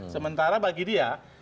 sementara bagi dia